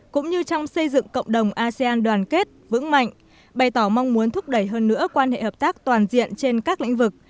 cũng như trong xây dựng cộng đồng asean đoàn kết vững mạnh bày tỏ mong muốn thúc đẩy hơn nữa quan hệ hợp tác toàn diện trên các lĩnh vực